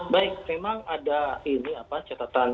baik memang ada ini apa catatan